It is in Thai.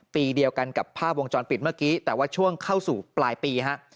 ปีเดียวกันกับภาพวงจรปิดเมื่อกี้แต่ว่าช่วงเข้าสู่ปลายปีฮะ